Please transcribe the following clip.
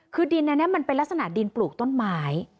คือดินอันนี้มันเป็นลักษณะดินปลูกต้นไม้